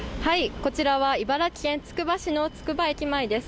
こちらは茨城県つくば市のつくば駅前です。